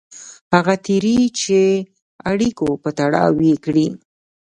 هغه تېري چې اړیکو په تړاو یې کړي.